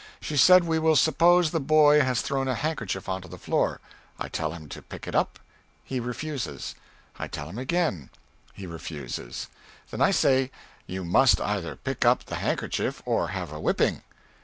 She said we will suppose the boy has thrown a handkerchief onto the floor, I tell him to pick it up, he refuses. I tell him again, he refuses. Then I say you must either pick up the handkerchief or have a whipping.